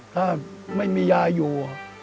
ถ้าไม่มียายอยู่